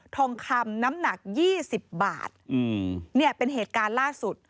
ทองคำน้ำหนัก๒๐บาทเป็นเหตุการณ์ล่าสุด